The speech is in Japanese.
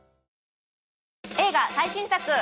映画最新作。